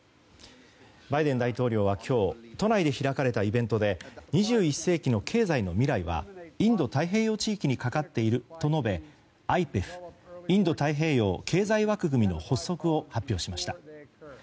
バイデン大統領は今日都内で開かれたイベントで２１世紀の経済の未来はインド太平洋地域にかかっていると述べＩＰＥＦ・インド太平洋経済枠組みの発足を発表しました。